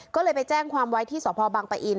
ก็เลยไปแจ้งความไว้ที่สพบังปะอิน